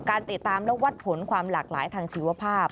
ติดตามและวัดผลความหลากหลายทางชีวภาพ